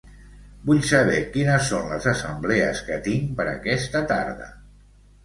Vull saber quines són les assemblees que tinc per aquesta tarda.